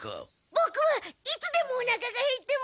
ボクはいつでもおなかがへってます！